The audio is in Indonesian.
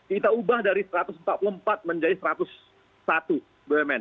kita ubah dari satu ratus empat puluh empat menjadi satu ratus satu bumn